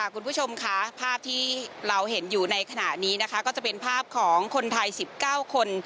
คุณผู้ชมค่ะภาพที่เราเห็นอยู่ในขณะนี้นะคะก็จะเป็นภาพของคนไทย๑๙คน